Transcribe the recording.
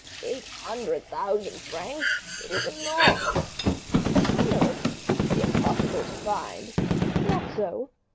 "Eight hundred thousand francs! it is enormous." "I know it." "Impossible to find." "Not so."